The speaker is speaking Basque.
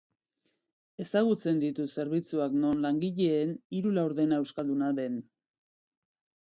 Ezagutzen ditut zerbitzuak non langileen hiru laurdena euskalduna den.